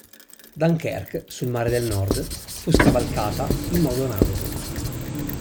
Dunkerque, sul mare del Nord, fu scavalcata in modo analogo.